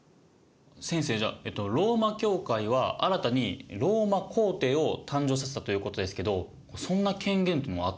先生じゃあローマ教会は新たにローマ皇帝を誕生させたということですけどそんな権限ってあったんですか？